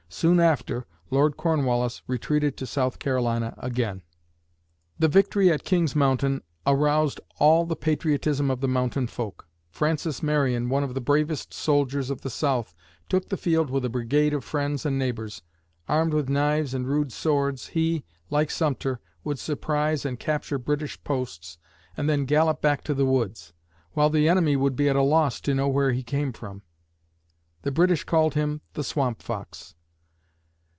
Soon after, Lord Cornwallis retreated to South Carolina again. The victory at King's Mountain aroused all the patriotism of the mountain folk. Francis Marion, one of the bravest soldiers of the South, took the field with a brigade of friends and neighbors. Armed with knives and rude swords, he, like Sumter, would surprise and capture British posts and then gallop back to the woods, while the enemy would be at a loss to know where he came from. The British called him the "Swamp Fox."